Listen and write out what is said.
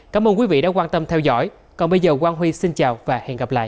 cảm ơn quý vị đã quan tâm theo dõi còn bây giờ quang huy xin chào và hẹn gặp lại